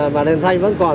mà đèn xanh vẫn còn